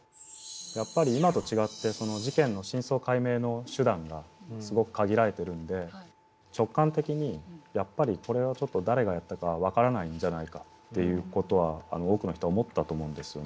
やっぱり今と違って事件の真相解明の手段がすごく限られてるんで直感的にやっぱりこれはちょっと誰がやったか分からないんじゃないかっていう事は多くの人は思ったと思うんですよね。